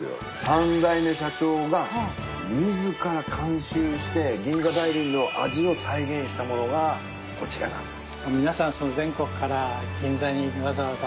３代目社長が自ら監修して銀座梅林の味を再現したものがこちらなんです。